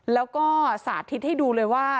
แล้วก็สาธิตให้ดูเลยว่า